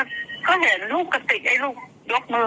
แต่คุณแม่ไม่ได้เป็นคนโพสต์